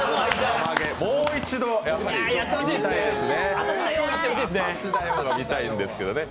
もう一度、見たいですね。